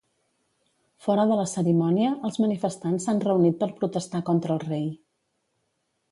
Fora de la cerimònia, els manifestants s'han reunit per protestar contra el rei.